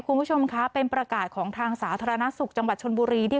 คุณผู้ชมคะเป็นประกาศของทางสาธารณสุขจังหวัดชนบุรีที่